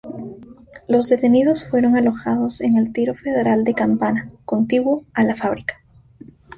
Los detenidos fueron alojados en el Tiro Federal de Campana, contiguo a la fábrica.